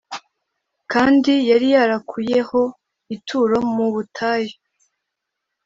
kandi yari yarakuyeho ituro mu ubutayu